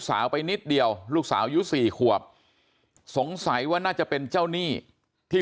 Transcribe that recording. สาวไปนิดเดียวลูกสาวอายุ๔ขวบสงสัยว่าน่าจะเป็นเจ้าหนี้ที่